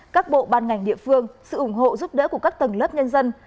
các bộ ban ngành địa phương sự ủng hộ giúp đỡ của các tầng lớp nhân dân